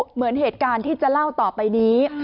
เหมือนเหตุการณ์ที่จะเล่าต่อไปนี้